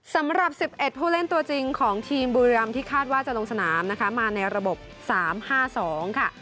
สำหรับ๑๑ผู้เล่นตัวจริงของทีมบุรีรำที่คาดว่าจะลงสนามนะคะมาในระบบ๓๕๒ค่ะ